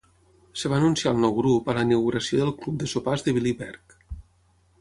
Es va anunciar el nou grup a la inauguració del Club de sopars de Billy Berg.